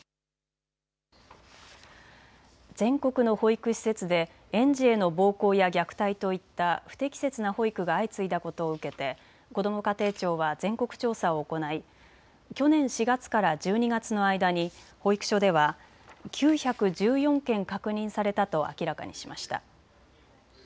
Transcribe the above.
全国の保育施設で園児への暴行や虐待といった不適切な保育が相次いだことを受けてこども家庭庁は全国調査を行い去年４月から１２月の間に保育所では９１４件確認されたと明らかにしました。